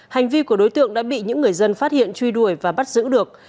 hành vi của đối tượng đã bị những người dân phát hiện truy đuổi và bắt giữ được